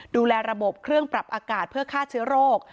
ดูแลระบบเครื่องปรับอากาศเพื่อฆ่าเชื้อโรค